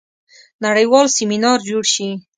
نړیوال سیمینار جوړ شي.